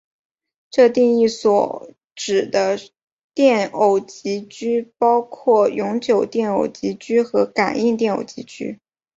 这定义所指的电偶极矩包括永久电偶极矩和感应电偶极矩。